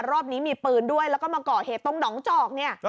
รอบนี้มีปืนด้วยแล้วก็มาก่อเหตุตรงหนองจอกเนี่ย